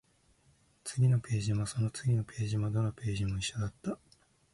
次のページも、その次のページも、どのページも一緒だった